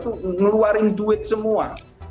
itu ngeluarin duit semua